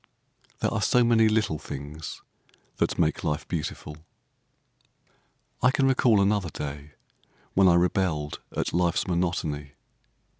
There are so many little things that make life beautiful. I can recall another day when I rebelled at life's monotony.